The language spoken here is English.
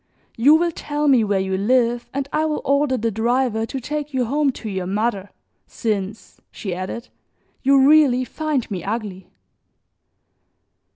You will tell me where you live and I will order the driver to take you home to your mother, since," she added, "you really find me ugly."